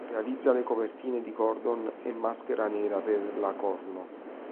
Realizza le copertine di "Gordon" e "Maschera Nera" per la Corno.